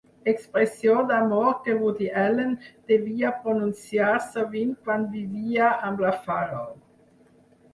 Expressió d'amor que Woody Allen devia pronunciar sovint quan vivia amb la Farrow.